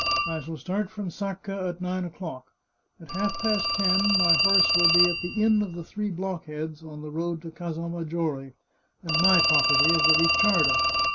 I shall start from Sacca at nine o'clock. At half past ten my horse will be at the inn of the Three Blockheads on the road to Casal Mag giore, and my property of the Ricciarda.